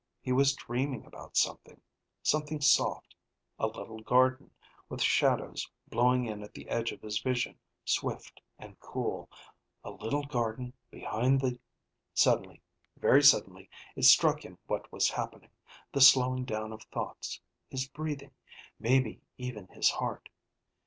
He was dreaming about something, something soft, a little garden, with shadows blowing in at the edge of his vision swift and cool, a little garden behind the Suddenly, very suddenly, it struck him what was happening, the slowing down of thoughts, his breathing, maybe even his heart.